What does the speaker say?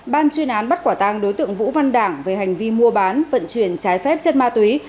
ban chuyên án bắt quả tang đối tượng vũ văn đảng về hành vi mua bán vận chuyển trái phép chất ma túy